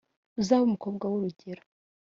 uzabe umukobwa w’urugero